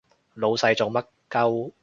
老細做乜 𨳊